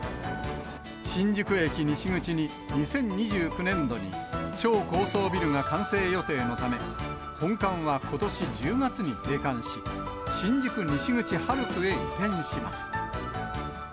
新宿駅西口に２０２９年度に超高層ビルが完成予定のため、本館はことし１０月に閉館し、新宿西口ハルクへ移転します。